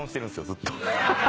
ずっと。